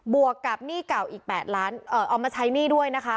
วกกับหนี้เก่าอีก๘ล้านเอามาใช้หนี้ด้วยนะคะ